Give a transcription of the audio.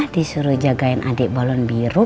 disuruh jagain adik balon biru